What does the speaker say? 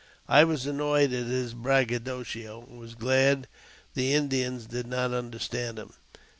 I was annoyed at this braggadocio, and was glad the Indians did not understand him.